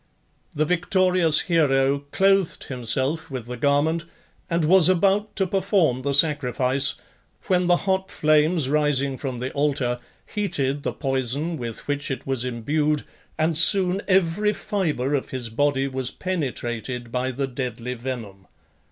The victorious hero clothed himself with the garment, and was about to perform the sacrifice, when the hot flames rising from the altar heated the poison with which it was imbued, and soon every fibre of his body was penetrated by the deadly venom.